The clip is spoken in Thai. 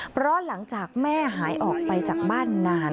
เพราะหลังจากแม่หายออกไปจากบ้านนาน